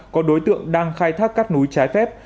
có đối tượng đang khai thác cát núi trái phép